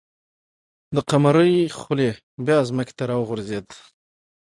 د قمرۍ خلی بیا ځمکې ته راوغورځېد.